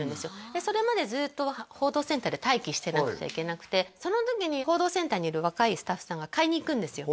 でそれまでずっと報道センターで待機してなくちゃいけなくてその時に報道センターにいる若いスタッフさんが買いにいくんですよ